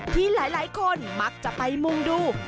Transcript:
ที่หลายคนมักจะไปมุ่งดู